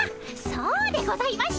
そうでございました。